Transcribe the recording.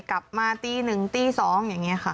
กลับมาตี๑ตี๒อย่างนี้ค่ะ